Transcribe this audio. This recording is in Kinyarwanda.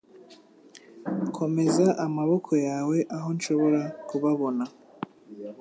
Komeza amaboko yawe aho nshobora kubabona.